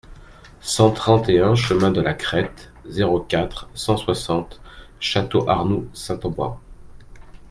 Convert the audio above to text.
cent trente et un chemin de la Crête, zéro quatre, cent soixante, Château-Arnoux-Saint-Auban